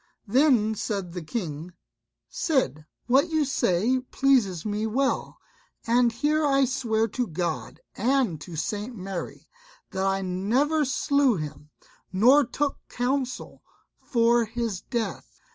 Then said the King, "Cid, what you say pleases me well; and here I swear to God and to St. Mary, that I never slew him, nor took counsel for his death.